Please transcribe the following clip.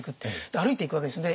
歩いていくわけですね。